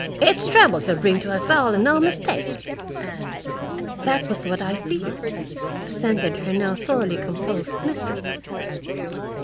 It's trouble he'll bring to us all and no mistake!" "That was what I feared," assented her now thoroughly composed mistress.